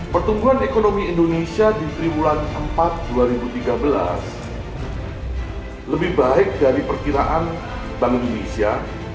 pertumbuhan ekonomi indonesia di triwulan empat dua ribu tiga belas lebih baik dari perkiraan bank indonesia